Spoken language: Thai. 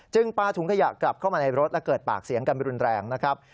ปลาถุงขยะกลับเข้ามาในรถและเกิดปากเสียงกันรุนแรงนะครับ